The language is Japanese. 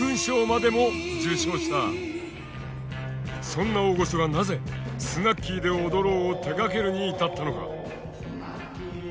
そんな大御所がなぜ「スナッキーで踊ろう」を手がけるに至ったのか？